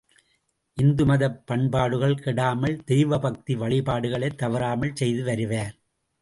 இந்து மதப் பண்பாடுகள் கெடாமல், தெய்வ பக்தி வழிபாடுகளைத் தவறாமல் செய்து வருவார்.